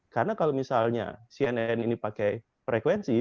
karena kalau misalnya cnn ini pakai frekuensi